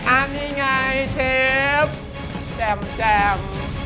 อะนี่ไงเชฟแจ่มแจ่ม